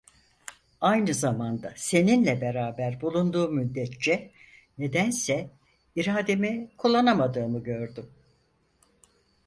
Aynı zamanda, seninle beraber bulunduğum müddetçe, nedense irademi kullanamadığımı gördüm.